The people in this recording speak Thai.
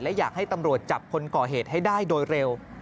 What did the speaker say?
และอยากให้ตำรวจจับคนก่อเหตุให้ได้โดยเร็ว